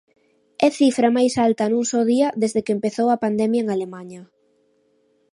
É cifra máis alta nun só día desde que empezou a pandemia en Alemaña.